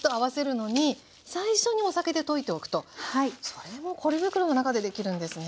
それもポリ袋の中でできるんですね。